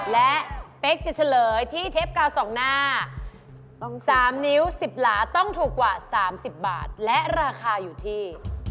และเป๊กจะเฉลยที่เทปกาว๒หน้า๓นิ้ว๑๐หลาต้องถูกกว่า๓๐บาทและราคาอยู่ที่